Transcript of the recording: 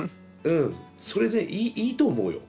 うんそれでいいと思うよ。